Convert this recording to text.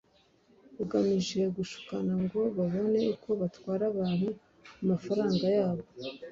bugamije gushukana ngo babone uko batwara abantu amafaranga yabo